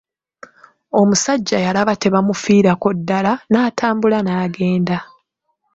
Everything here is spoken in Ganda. Omusajja yalaba tebamufiirako ddala, n'atambula n'agenda.